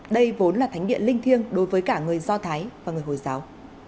đây vốn là thánh địa linh thiêng đối với cả người do thái và người hồi giáo